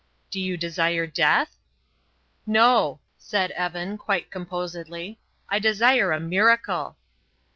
"Do you desire death?" "No," said Evan, quite composedly, "I desire a miracle."